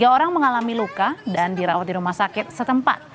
tiga orang mengalami luka dan dirawat di rumah sakit setempat